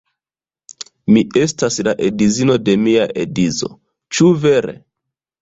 Mi estas la edzino de mia edzo; ĉu vere?